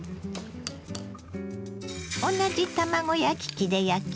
同じ卵焼き器で焼きます。